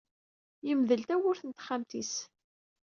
Yemdel tawwurt n texxamt-is.